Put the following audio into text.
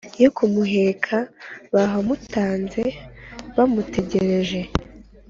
yo kumuheka bahamutanze bamutegereje,